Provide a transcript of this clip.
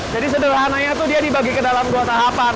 jadi sederhananya tuh dia dibagi ke dalam dua tahapan